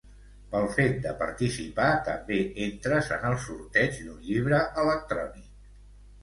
Pel fet de participar també entres en el sorteig d'un llibre electrònic.